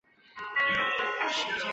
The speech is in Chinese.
匈牙利实行多党议会制。